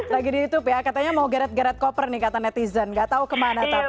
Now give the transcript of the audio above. lagi di youtube ya katanya mau geret geret koper nih kata netizen nggak tahu kemana tapi